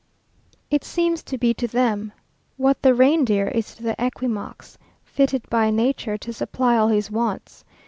It seems to be to them what the reindeer is to the Esquimaux, fitted by nature to supply all his wants.